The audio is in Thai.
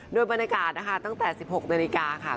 โดยบรรยากาศนะคะตั้งแต่๑๖นาฬิกาค่ะ